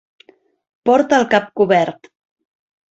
Porta el cap cobert.